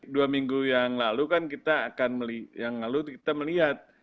dua minggu yang lalu kan kita akan melihat